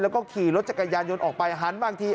แล้วก็ขี่รถจักรยานยนต์ออกไปหันบางที